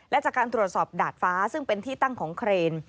และจากการตรวจสอบดาดฟ้าซึ่งเป็นที่ตั้งของเครน